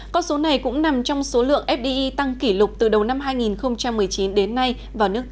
con số này cũng nằm trong số lượng fdi tăng kỷ lục từ đầu năm hai nghìn một mươi chín đến nay vào nước ta